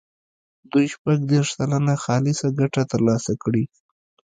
دوی شپږ دېرش سلنه خالصه ګټه ترلاسه کړي.